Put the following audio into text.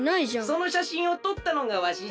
そのしゃしんをとったのがわしじゃ。